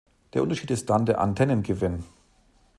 Der Unterschied ist dann der Antennengewinn.